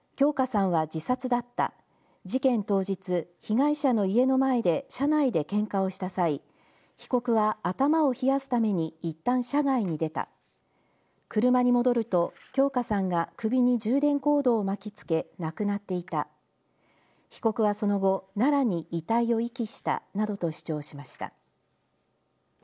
これに対し弁護側は京花さんは自殺だった事件当日、被害者の家の前で車内でけんかをした際被告は頭を冷やすためにいったん車外に出た車に戻ると京花さんが首に充電コードを巻き付け亡くなっていた被告はその後、奈良に遺体を遺棄したなどと主張しました。